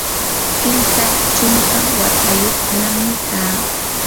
kimsa chunka watayuqnami kaa.